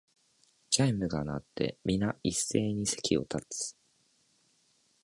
チャイムが鳴って、みな一斉に席を立つ